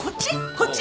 こっち？